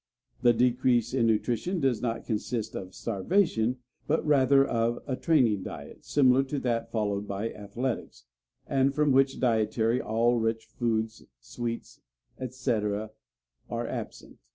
The decrease in nutrition does not consist of "starvation," but rather of a "training diet" similar to that followed by athletics, and from which dietary all rich foods, sweets, etc., are absent.